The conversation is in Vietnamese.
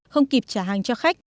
không kịp trả hàng cho khách